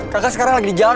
kakak sekarang lagi di jalan